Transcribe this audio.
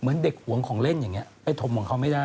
เหมือนเด็กหวงของเล่นอย่างนี้ไปถมของเขาไม่ได้